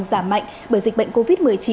giảm mạnh bởi dịch bệnh covid một mươi chín